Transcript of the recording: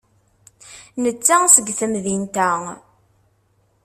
Netta seg temdint-a.